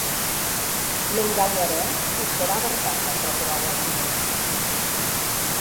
M’enganharè o serà vertat aquerò que vau a díder?